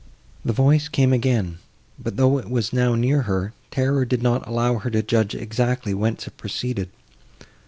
The voice came again, but, though it was now near her, terror did not allow her to judge exactly whence it proceeded.